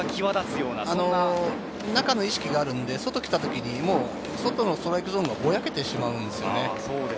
中の意識があるので、外に来た時に外のストライクゾーンがぼやけてしまうんです。